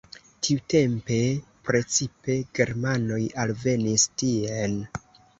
Tiutempe precipe germanoj alvenis tien.